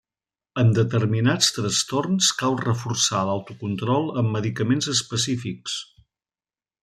En determinats trastorns cal reforçar l'autocontrol amb medicaments específics.